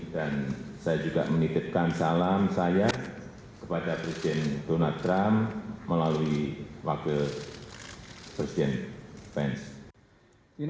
dan saya juga menitipkan salam saya kepada presiden donald trump melalui wakil presiden pence